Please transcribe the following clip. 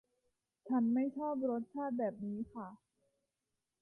ฉันไม่ชอบรสชาติแบบนี้ค่ะ